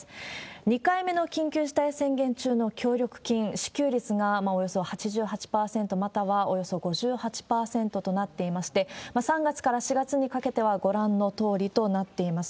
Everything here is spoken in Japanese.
２回目の緊急事態宣言中の協力金支給率がおよそ８８％、またはおよそ５８％となっていまして、３月から４月にかけてはご覧のとおりとなっています。